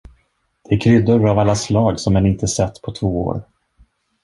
Det är kryddor, av alla slag, som en inte sett på två år!